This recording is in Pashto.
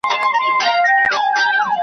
هڅو ته یې دوام ورکړ